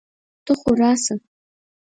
ته خو راسه!